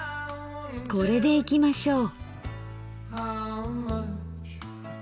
これでいきましょう。